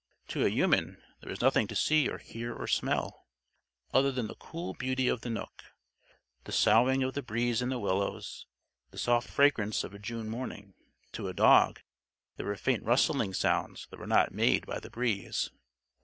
To a human, there was nothing to see or hear or smell other than the cool beauty of the nook, the soughing of the breeze in the willows, the soft fragrance of a June morning. To a dog, there were faint rustling sounds that were not made by the breeze.